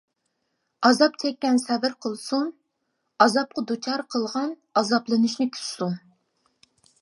ئازاب چەككەن سەۋر قىلسۇن، ئازابقا دۇچار قىلغان ئازابلىنىشنى كۈتسۇن!